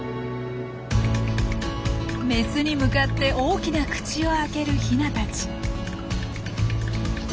メスに向かって大きな口を開けるヒナたち。